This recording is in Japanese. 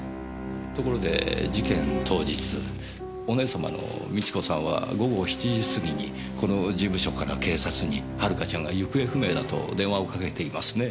ところで事件当日お姉さまの美智子さんは午後７時過ぎにこの事務所から警察に遥ちゃんが行方不明だと電話をかけていますね。